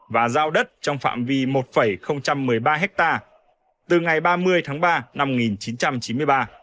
và giao đất trong phạm vi một một mươi ba ha từ ngày ba mươi tháng ba năm một nghìn chín trăm chín mươi ba